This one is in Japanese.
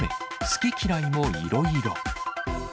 好き嫌いもいろいろ。